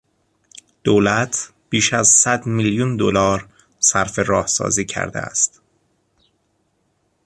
دولت بیش از صد میلیون دلار صرف راهسازی کرده است.